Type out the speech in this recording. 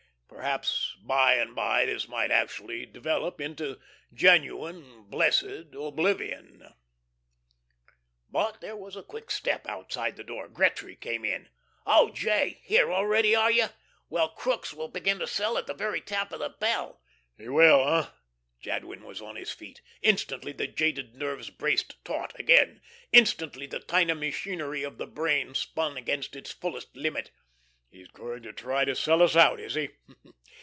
Perhaps by and by this might actually develop into genuine, blessed oblivion. But there was a quick step outside the door. Gretry came in. "Oh, J.! Here already, are you? Well, Crookes will begin to sell at the very tap of the bell." "He will, hey?" Jadwin was on his feet. Instantly the jaded nerves braced taut again; instantly the tiny machinery of the brain spun again at its fullest limit. "He's going to try to sell us out, is he?